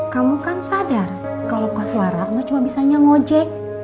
kamu kan sadar kalau kak suaragno cuma bisanya ngojek